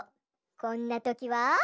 こんなときは。